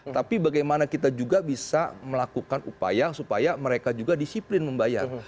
tapi bagaimana kita juga bisa melakukan upaya supaya mereka juga disiplin membayar